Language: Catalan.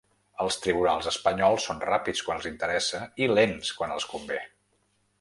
Els tribunals espanyols són ràpids quan els interessa i lents quan els convé.